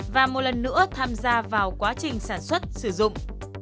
và một lần nữa tham gia vào quá trình sản xuất sử dụng